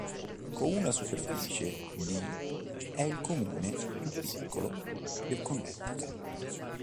Con una superficie di è il comune più piccolo del Connecticut.